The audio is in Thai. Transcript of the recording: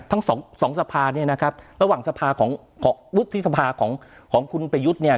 ทั้งสองสองสภาเนี่ยนะครับระหว่างสภาของของวุฒิสภาของของคุณประยุทธ์เนี่ย